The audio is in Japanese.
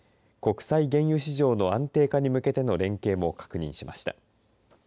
国際原油市場の安定化に向けての連携も確認しました。